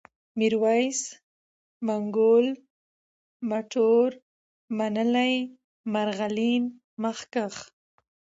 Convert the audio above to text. ميرويس ، منگول ، مټور ، منلی ، مرغلين ، مخکښ